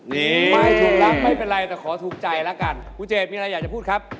นี่ไม่ถูกแล้วไม่เป็นไรแต่ขอถูกใจแล้วกันคุณเจดมีอะไรอยากจะพูดครับ